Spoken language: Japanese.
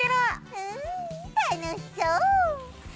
うんたのしそう！